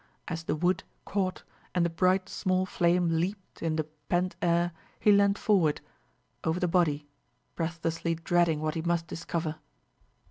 As the wood caught and the bright small flame leaped in the pent air, he leaned forward, over the body, breathlessly dreading what he must discover.